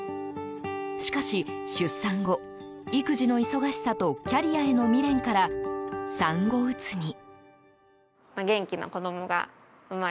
しかし出産後、育児の忙しさとキャリアへの未練から産後うつに。